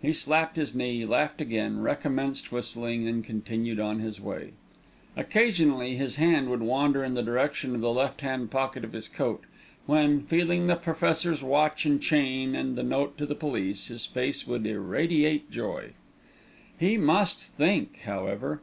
He slapped his knee, laughed again, recommenced whistling, and continued on his way. Occasionally his hand would wander in the direction of the left hand pocket of his coat, when, feeling the Professor's watch and chain and the note to the police, his face would irradiate joy. He must think, however.